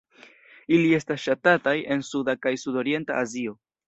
Ili estas ŝatataj en suda kaj sudorienta Azio.